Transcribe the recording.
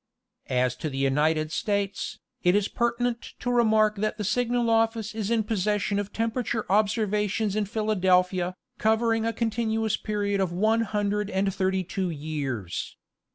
As to the United States, it is pertinent to remark that the Signal Office is in possession of temperature observations in Philadelphia, covering a continuous: period of one hundred and thirty two years.